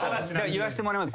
言わしてもらいます。